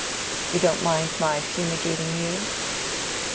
You don't mind my fumigating you?"